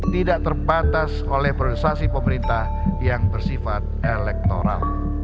tidak terbatas oleh priorisasi pemerintah yang bersifat elektoral